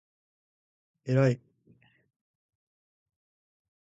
えらい！！！！！！！！！！！！！！！